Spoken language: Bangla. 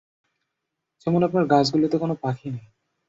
যেমন আপনার গাছগুলিতে কোনো পাখি নেই।